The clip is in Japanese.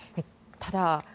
ただ、